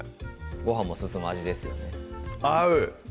ごはんも進む味ですよね合う！